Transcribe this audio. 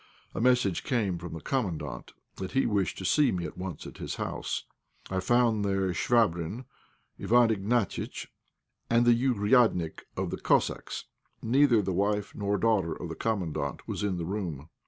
A message came from the Commandant that he wished to see me at once at his house. I found there Chvabrine, Iwán Ignatiitch, and the "ouriadnik" of the Cossacks. Neither the wife nor daughter of the Commandant was in the room.